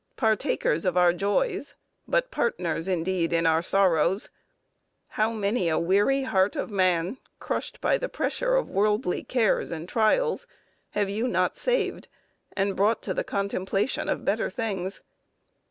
Partakers of our joys, but partners indeed in our sorrows; how many a weary heart of man, crushed by the pressure of worldly cares and trials, have you not saved, and brought to the contemplation of better things!